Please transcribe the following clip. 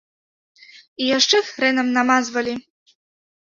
І яшчэ хрэнам намазвалі.